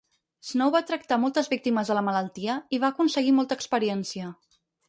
Snow va tractar moltes víctimes de la malaltia i va aconseguir molta experiència.